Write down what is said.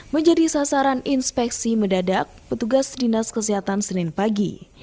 menjadi sasaran inspeksi mendadak petugas dinas kesehatan senin pagi